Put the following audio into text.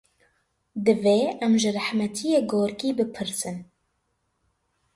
Divê em ji rehmetiyê Gorkî bipirsin.